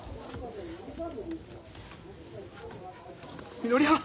みのりはん